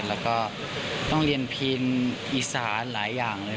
แล้วก็ต้องเรียนพีนอีสานหลายอย่างเลย